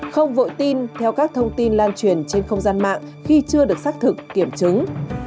không vội tin theo các thông tin lan truyền trên không gian mạng khi chưa được xác thực kiểm chứng